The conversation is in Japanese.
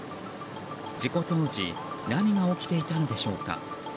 事故当時何が起きていたのでしょうか。